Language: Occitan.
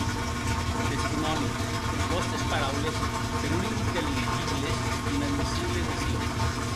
Testimòni, es vòstes paraules que non inintelligibles e inadmisibles aciu.